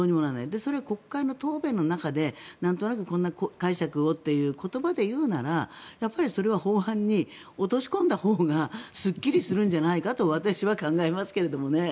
それは国会の答弁の中でなんとなくこんな解釈をという言葉で言うのならばそれは法案に落とし込んだほうがすっきりするんじゃないかと私は考えますけどね。